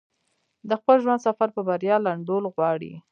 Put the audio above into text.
د خپل ژوند سفر په بريا لنډول غواړي.